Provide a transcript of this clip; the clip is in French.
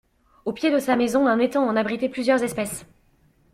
Au pied de sa maison, un étang en abritait plusieurs espèces.